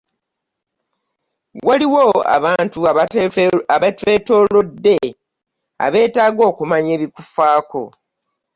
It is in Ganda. Waliwo abantu abatwetoolodde abeetaaga okumanya ebikufaako.